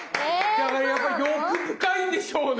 やっぱり欲深いんでしょうね！